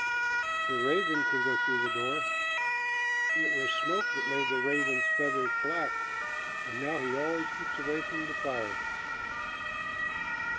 "The raven can go through the door." "It was smoke that made the raven's feathers black, and now he always keeps away from the fire."